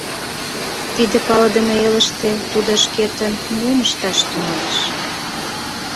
Тиде палыдыме элыште тудо шкетын мом ышташ тӱҥалеш?